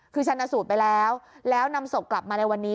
คือชนะสูตรไปแล้วแล้วนำศพกลับมาในวันนี้